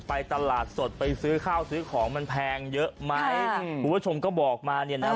ไปตลาดสดไปซื้อข้าวซื้อของมันแพงเยอะไหมคุณผู้ชมก็บอกมาเนี่ยนะ